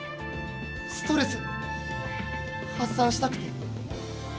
ストレス発さんしたくて。